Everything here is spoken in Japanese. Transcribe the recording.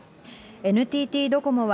ＮＴＴドコモは、